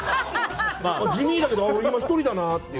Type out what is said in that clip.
地味だけど、俺、今１人だなって。